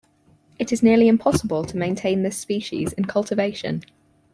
It is nearly impossible to maintain this species in cultivation.